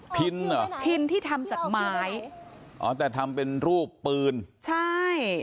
ินเหรอพินที่ทำจากไม้อ๋อแต่ทำเป็นรูปปืนใช่